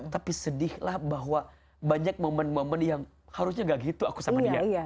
tapi sedihlah bahwa banyak momen momen yang harusnya gak gitu aku sama dia